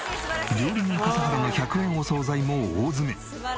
料理人笠原の１００円お惣菜も大詰め！